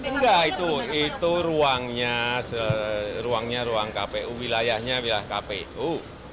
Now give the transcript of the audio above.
enggak itu itu ruangnya ruangnya ruang kpu wilayahnya wilayah kpu